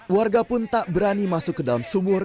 warga pun tak berani masuk ke dalam sumur